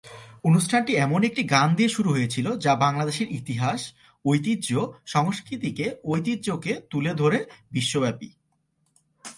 অনুষ্ঠানটি এমন একটি গান দিয়ে শুরু হয়েছিল যা বাংলাদেশের ইতিহাস, ঐতিহ্য, সংস্কৃতিকে ঐতিহ্যকে তুলে ধরে বিশ্বব্যাপী।